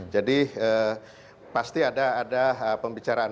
jadi pasti ada pembicaraan